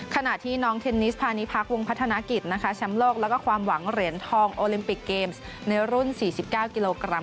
ขณะที่น้องเทนนิสพาณิพักวงพัฒนากิจนะคะแชมป์โลกแล้วก็ความหวังเหรียญทองโอลิมปิกเกมส์ในรุ่น๔๙กิโลกรัม